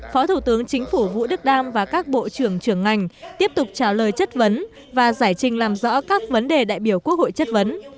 phó thủ tướng chính phủ vũ đức đam và các bộ trưởng trưởng ngành tiếp tục trả lời chất vấn và giải trình làm rõ các vấn đề đại biểu quốc hội chất vấn